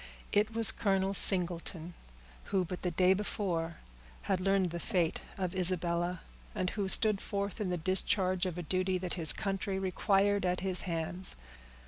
It was Colonel Singleton, who, but the day before, had learned the fate of Isabella, but who stood forth in the discharge of a duty that his country required at his hands.